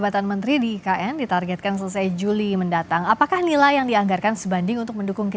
selamat malam pak agus bangdoli